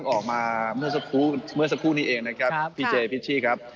ออกมาเมื่อสักครู่เมื่อสักครู่นี้เองนะครับพี่เจพิชชี่ครับ